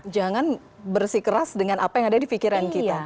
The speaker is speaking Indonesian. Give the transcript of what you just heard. jangan bersikeras dengan apa yang ada di pikiran kita